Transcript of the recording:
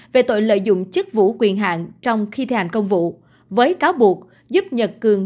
về tội lợi dụng chức vũ quyền hạng trong khi thể hành công vụ với cáo buộc giúp nhật cường